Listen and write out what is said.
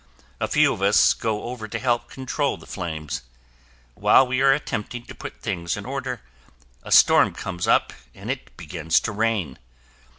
A few of us go over to help control the flames. While we are attempting to put things in order, a storm comes up and it begins to rain.